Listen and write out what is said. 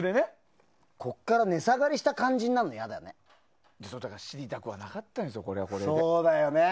ここから値下がりした感じになるのだから知りたくはなかったよ。